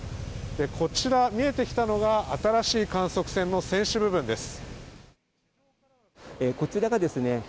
こちら、見えてきたのが新しい観測船の船首部分です。